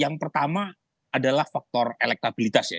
yang pertama adalah faktor elektabilitas ya